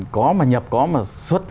có mà nhập có mà xuất